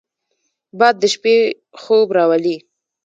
باد د شپې خوب راولي